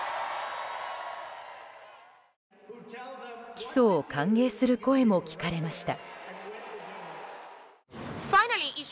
起訴を歓迎する声も聞かれました。